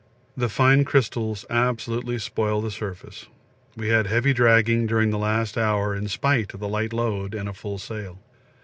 The fine crystals absolutely spoil the surface; we had heavy dragging during the last hour in spite of the light load and a full sail.